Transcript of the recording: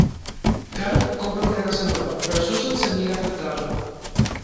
Karl compra una casa nueva, pero Susan se niega a aceptarla.